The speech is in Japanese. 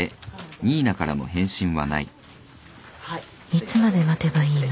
いつまで待てばいいの？